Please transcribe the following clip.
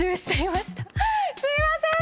すいません！